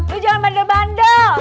lu jangan bandel bandel